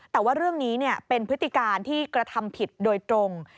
แต่ว่าเรื่องนี้เป็นพฤติการที่กระทำผิดโดยตรง